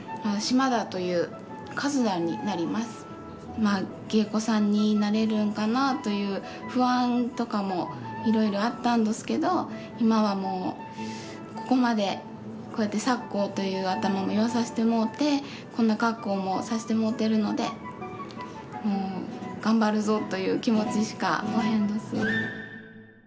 まあ芸妓さんになれるんかなという不安とかもいろいろあったんどすけど今はもうここまでこうやって先笄という頭も結わさしてもうてこんな格好もさしてもうてるのでもう頑張るぞという気持ちしかおへんどす。